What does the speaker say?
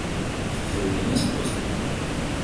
Филогенез прост.